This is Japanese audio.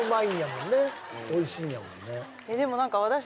うんおいしいんやもんね